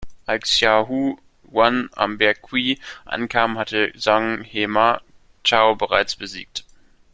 Als Xiahou Yuan am Berg Qi ankam, hatte Zhang He Ma Chao bereits besiegt.